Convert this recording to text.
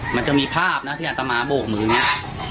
มันจะมีภาพนะที่อัตมาโบกมืออย่างนี้